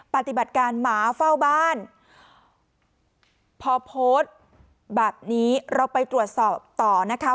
ปฏิบัติการหมาเฝ้าบ้านพอโพสต์แบบนี้เราไปตรวจสอบต่อนะคะ